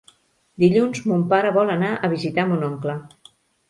Dilluns mon pare vol anar a visitar mon oncle.